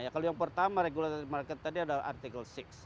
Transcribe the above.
kalau yang pertama regulator market tadi adalah artikel enam